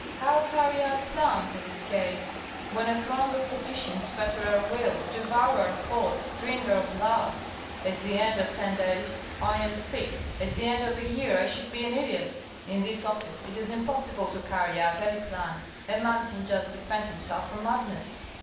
"How carry out plans in this case when a throng of petitions fetter our will, devour our thoughts, drink our blood? At the end of ten days I am sick, at the end of a year I should be an idiot. In this office it is impossible to carry out any plan; a man can just defend himself from madness."